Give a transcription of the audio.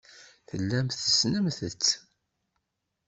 Tellamt tessnemt-tt.